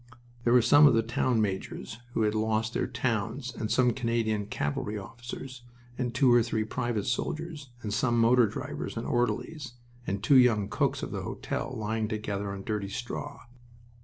There were some of the town majors who had lost their towns, and some Canadian cavalry officers, and two or three private soldiers, and some motor drivers and orderlies, and two young cooks of the hotel lying together on dirty straw.